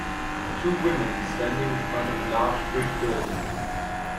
Two women standing in front of a large brick building.